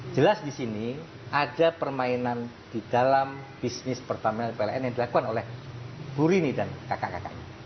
jelas di sini ada permainan di dalam bisnis pertamina pln yang dilakukan oleh bu rini dan kakak kakaknya